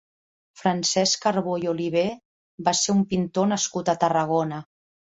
Francesc Carbó i Olivé va ser un pintor nascut a Tarragona.